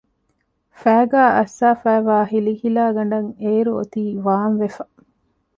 ފައިގާ އައްސާފައިވާ ހިލިހިލާގަނޑަށް އެއިރު އޮތީ ވާންވެފަ